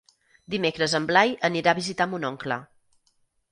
Dimecres en Blai anirà a visitar mon oncle.